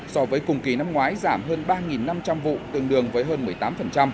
so với cùng kỳ năm ngoái giảm hơn ba năm trăm linh vụ tương đương với hơn một mươi tám